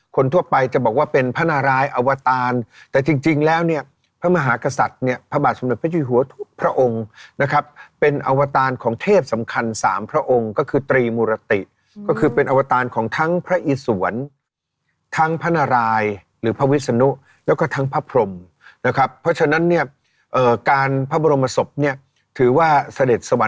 คนทั่วไปจะบอกว่าเป็นพระนารายอวตารแต่จริงแล้วเนี่ยพระมหากษัตริย์เนี่ยพระบาทสมเด็จพระเจ้าหัวทุกพระองค์นะครับเป็นอวตารของเทพสำคัญสามพระองค์ก็คือตรีมุรติก็คือเป็นอวตารของทั้งพระอิสวรรค์ทั้งพระนารายหรือพระวิศนุแล้วก็ทั้งพระพรมนะครับเพราะฉะนั้นเนี่ยการพระบรมศพเนี่ยถือว่าเสด็จสวร